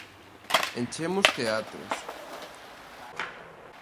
Enchemos teatros.